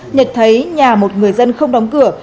nhật thấy nhà một người dân không đóng cửa